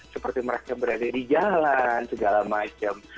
seperti mereka berada di jalan segala macam